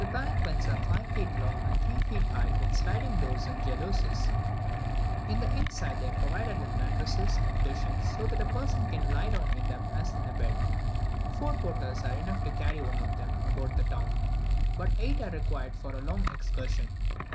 The palanquins are five feet long and three feet high, with sliding doors and jalousies: in the inside they are provided with mattresses and cushions, so that a person can lie down in them as in a bed. Four porters are enough to carry one of them about the town, but eight are required for a longer excursion.